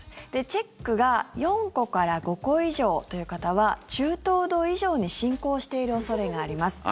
チェックが４個から５個以上という方は中等度以上に進行している恐れがあります。